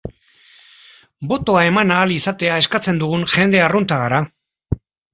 Botoa eman ahal izatea eskatzen dugun jende arrunta gara.